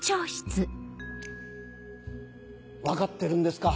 分かってるんですか？